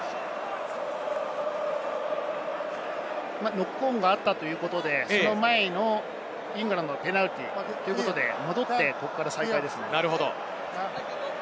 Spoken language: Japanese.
ノックオンがあったということで、その前のイングランドのペナルティーということで、戻ってここから再開ですね。